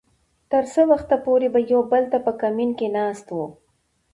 تر څه وخته پورې به يو بل ته په کمين کې ناست وو .